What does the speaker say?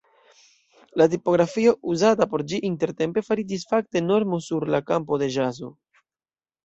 La tipografio uzata por ĝi intertempe fariĝis fakte normo sur la kampo de ĵazo.